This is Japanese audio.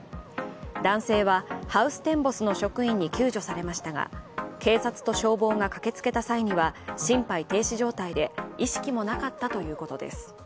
男性は、ハウステンボスの職員に救助されましたが警察と消防が駆けつけた際には心肺停止状態で意識もなかったということです。